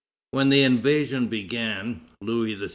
When the invasion began, Louis XVI.